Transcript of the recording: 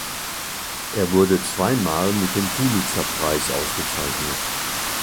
Er wurde zweimal mit dem Pulitzer-Preis ausgezeichnet.